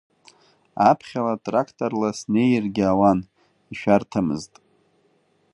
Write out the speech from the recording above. Аԥхьала тракторла снеиргьы ауан, ишәарҭамызт.